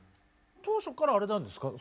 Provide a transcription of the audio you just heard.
当初からあれなんですか？